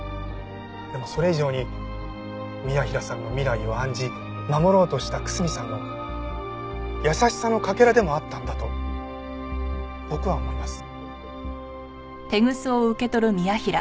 でもそれ以上に宮平さんの未来を案じ守ろうとした楠見さんの優しさのかけらでもあったんだと僕は思います。